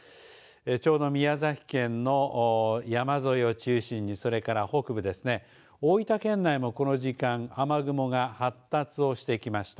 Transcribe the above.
ちょうど宮崎県の山沿いを中心にそれから北部ですね大分県内もこの時間雨雲が発達をしてきました。